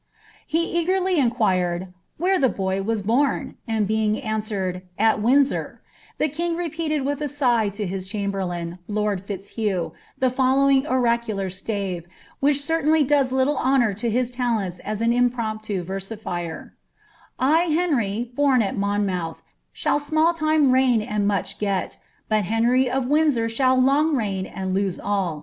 He eagerly inquired ^ wliere the boy was bom ?" and being answered *^ at Windsor," the king repeated with a sigh to his chamberlain, lord Fitzhugh, the following oracular stave, which certainly does little honour to his talents as an impromptu ▼ersifier :—1, Henry, born at Monmoath, Shall small time reign and much get; But Henry of Windsor Miall long reign and lose all.